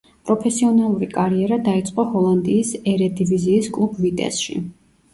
პროფესიონალური კარიერა დაიწყო ჰოლანდიის ერედივიზიის კლუბ „ვიტესში“.